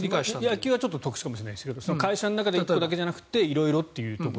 野球はちょっと特殊かもしれないですけど会社の中でってだけじゃなくて色々というところ。